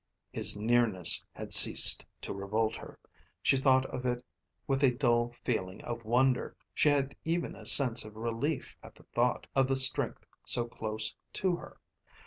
His nearness had ceased to revolt her; she thought of it with a dull feeling of wonder. She had even a sense of relief at the thought of the strength so close to her.